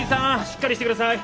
しっかりしてください！